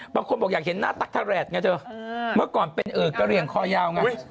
บางคนบอกอยากเห็นหน้าตั๊กทะแรดไงเธอเมื่อก่อนเป็นกะเหลี่ยงคอยาวไง